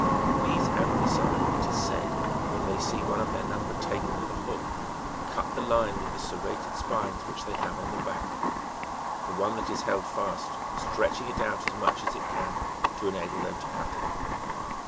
These anthise, it is said, when they see one of their number taken with a hook, cut the line with the serrated spines which they have on the back, the one that is held fast stretching it out as much as it can, to enable them to cut it.